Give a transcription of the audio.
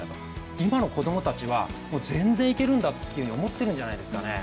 今の子供たちは全然いけるんだと思ってるんじゃないですかね。